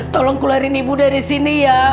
tolong keluarin ibu dari sini ya